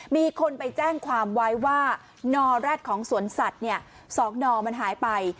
มีคนไปแจ้งความไว้ว่านอแร็ดของสวนสัตว์๒นอมันหายไป